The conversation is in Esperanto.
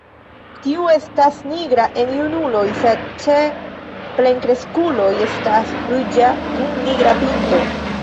Tiu estas nigra en junuloj, sed ĉe plenkreskuloj estas ruĝa kun nigra pinto.